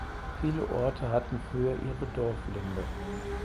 Viele Orte hatten früher ihre Dorflinde.